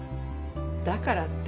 だからって。